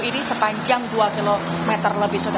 ini sepanjang dua km lebih sudah